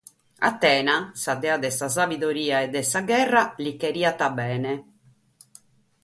Atena, sa dea se sa sabidoria e de sa gherra, li cheriat bene.